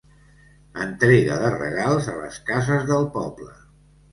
Entrega de regals a les cases del poble.